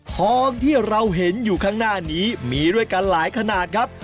ทองที่เราเห็นอยู่ข้างหน้านี้มีด้วยกันหลายขนาดครับ